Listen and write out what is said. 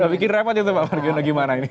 membuat repot itu pak margiono gimana ini